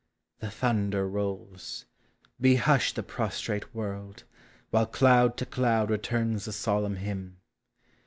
The thunder rolls: be hushed the prostrate world; While cloud to cloud returns the solemn hymn.